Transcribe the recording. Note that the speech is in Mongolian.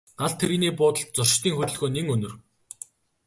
Галт тэрэгний буудалд зорчигчдын хөдөлгөөн нэн өнөр.